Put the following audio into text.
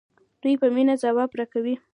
دوی په مینه ځواب راکوي.